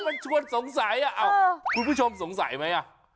มันชวนสงสัยคุณผู้ชมสงสัยไหมอ่ะ